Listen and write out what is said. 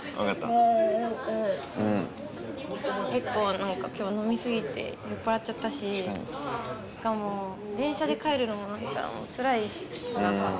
結構なんか今日飲みすぎて酔っ払っちゃったしもう電車で帰るのもつらいからさ。